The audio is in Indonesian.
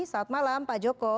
saat malam pak joko